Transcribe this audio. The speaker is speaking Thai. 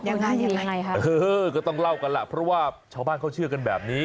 ยังไงยังไงคะเออก็ต้องเล่ากันล่ะเพราะว่าชาวบ้านเขาเชื่อกันแบบนี้